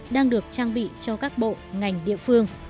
đang được trang bị cho các bộ ngành địa phương